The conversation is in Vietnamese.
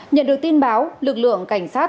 nhận được tin báo lực lượng cảnh sát